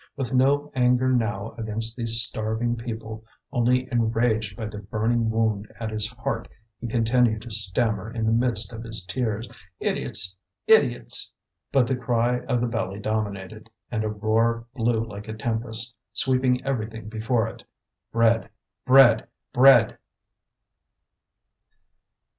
With no anger now against these starving people, only enraged by the burning wound at his heart he continued to stammer in the midst of his tears: "Idiots! idiots!" But the cry of the belly dominated, and a roar blew like a tempest, sweeping everything before it: "Bread! bread! bread!"